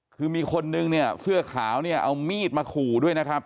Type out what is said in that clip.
คือมีคนนึงเนี่ยเสื้อขาวเนี่ยเอามีดมาขู่ด้วยนะครับ